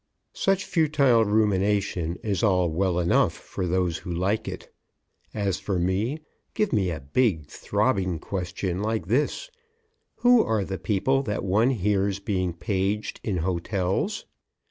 Such futile rumination is all well enough for those who like it. As for me, give me a big, throbbing question like this: "Who are the people that one hears being paged in hotels?